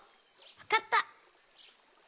わかった！